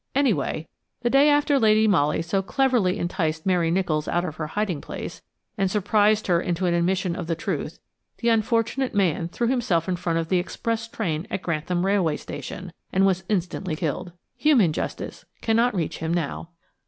Anyway, the day after Lady Molly so cleverly enticed Mary Nicholls out of her hiding place, and surprised her into an admission of the truth, the unfortunate man threw himself in front of the express train at Grantham railway station, and was instantly killed. Human justice cannot reach him now!